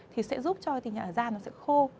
thì sẽ giúp cho tình hình là da nó sẽ khô